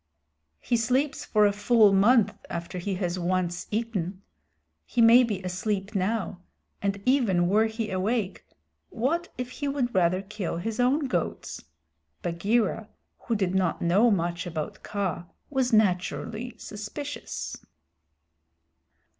"He sleeps for a full month after he has once eaten. He may be asleep now, and even were he awake what if he would rather kill his own goats?" Bagheera, who did not know much about Kaa, was naturally suspicious.